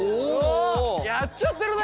やっちゃってるね。